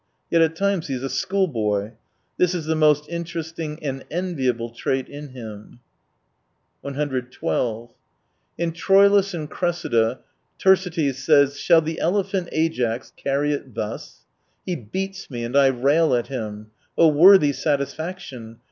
Yet at times he is a schoolboy. This is the most interesting and enviable trait in him. 112 In Troilus and Cressida Thersites says :" Shall the elephant Ajax carry it thus ? He beats me, and I rail at him : worthy satisfaction